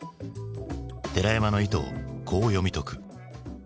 寺山の意図をこう読み解く。